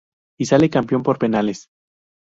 Y sale campeón por penales.